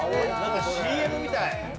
ＣＭみたい。